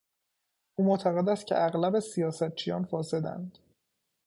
او معتقد است که اغلب سیاستچیان فاسدند.